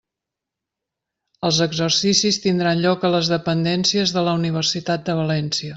Els exercicis tindran lloc a les dependències de la Universitat de València.